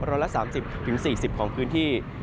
ร้อนละ๓๐๔๐องศาเซียตของพื้นที่